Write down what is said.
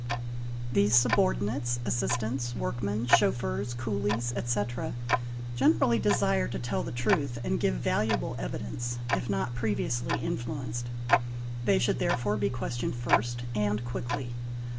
These subordinates, assistants, workmen, chauffewrs, coolies, etc., generally desire to tell the truth and give valuable evidence, if not previously influenced; they should therefore be questioned first and 862 SERIOUS ACCIDENTS quickly.